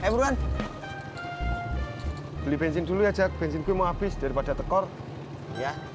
beli bensin dulu ya jack bensin gue mau habis daripada tekor ya